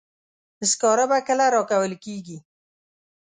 سکاره به کله راکول کیږي.